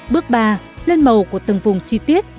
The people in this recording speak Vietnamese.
bước ba lên màu của từng vùng chi tiết